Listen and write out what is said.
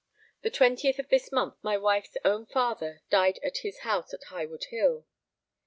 The 20th of this month my wife's own father died at his house at Highwood Hill.